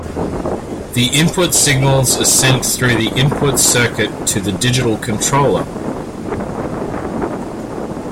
The input signals are sent through the input-circuit to the digital controller.